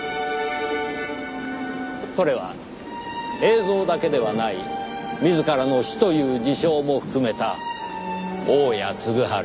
それは映像だけではない自らの死という事象も含めた大屋嗣治